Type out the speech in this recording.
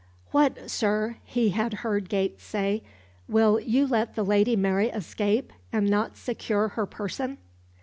"What, sir," he had heard Gates say, "will you let the Lady Mary escape, and not secure her person?"